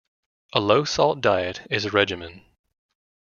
A low-salt diet is a regimen.